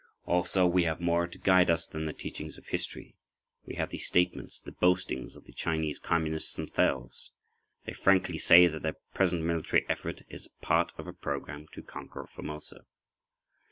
Also, we have more to guide us than the teachings of history. We have the statements, the boastings, of the Chinese Communists themselves. They frankly say that their present military effort is part of a program to conquer Formosa.